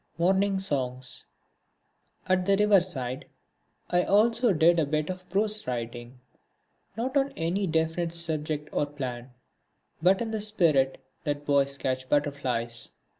(34) Morning Songs At the river side I also did a bit of prose writing, not on any definite subject or plan, but in the spirit that boys catch butterflies.